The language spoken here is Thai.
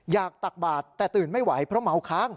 ตักบาทแต่ตื่นไม่ไหวเพราะเมาค้าง